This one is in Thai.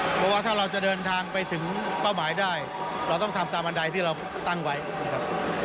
เพราะว่าถ้าเราจะเดินทางไปถึงเป้าหมายได้เราต้องทำตามบันไดที่เราตั้งไว้นะครับ